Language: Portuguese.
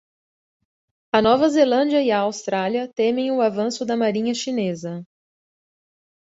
A Nova Zelândia e a Austrália temem o avanço da marinha chinesa